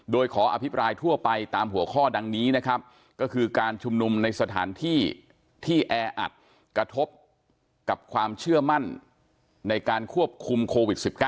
โดยขออภิปรายทั่วไปตามหัวข้อดังนี้นะครับก็คือการชุมนุมในสถานที่ที่แออัดกระทบกับความเชื่อมั่นในการควบคุมโควิด๑๙